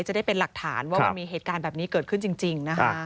จะได้เป็นหลักฐานว่ามันมีเหตุการณ์แบบนี้เกิดขึ้นจริงนะคะ